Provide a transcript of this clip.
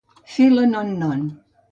Fer la non-non.